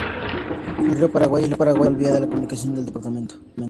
El río Paraguay es la principal vía de comunicación del departamento.